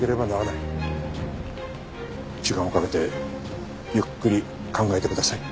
時間をかけてゆっくり考えてください。